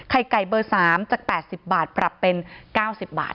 ไก่เบอร์๓จาก๘๐บาทปรับเป็น๙๐บาท